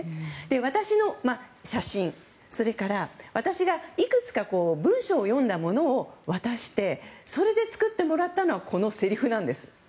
私の写真、それから私がいくつか文章を読んだものを渡してそれで作ってもらったのがこのせりふなんです。